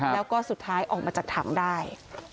แล้วก็สุดท้ายออกมาจากถังได้